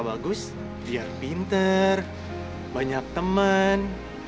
bagus biar pinter banyak temen